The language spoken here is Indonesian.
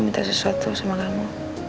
minta sesuatu sama kamu